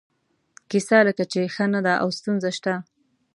کیسه لکه چې ښه نه ده او ستونزه شته.